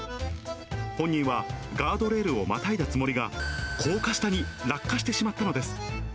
本人はガードレールをまたいだつもりが、高架下に落下してしまったのです。